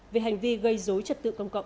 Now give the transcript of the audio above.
về hành vi gây dối trật tự công cộng